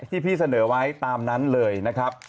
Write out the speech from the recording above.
ที่พี่เสนอไว้ตามนั้นเลยนะครับ